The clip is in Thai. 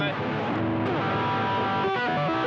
โอ้โหสุดยอด